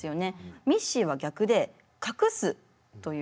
ミッシーは逆で隠すという。